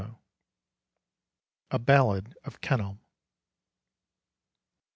_ A BALLAD OF KENELM.